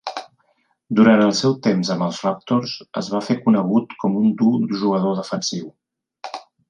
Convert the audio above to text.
Durant el seu temps amb els Raptors es va fer conegut com un dur jugador defensiu.